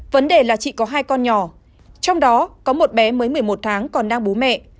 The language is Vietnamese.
vấn đề là chị có hai con nhỏ trong đó có một bé mới một mươi một tháng còn đang bố mẹ